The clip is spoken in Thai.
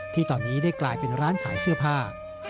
ที่ตอนนี้ได้กลายเป็นร้านขายเสื้อผ้า